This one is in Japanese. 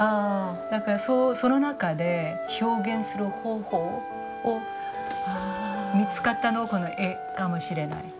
だからその中で表現する方法を見つかったのがこの絵かもしれない。